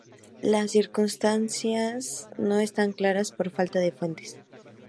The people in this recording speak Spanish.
Las circunstancias no están claras por falta de fuentes.